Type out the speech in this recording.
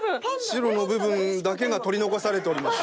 白の部分だけが取り残されております。